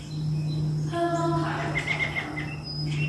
香芒蟹肉炒飯